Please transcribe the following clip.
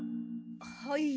はい。